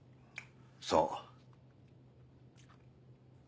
そう。